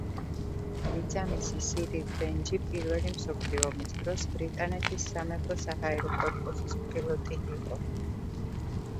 ბიძამისი სირილ ბენჯი პირველი მსოფლიო ომის დროს ბრიტანეთის სამეფო–საჰაერო კორპუსის პილოტი იყო.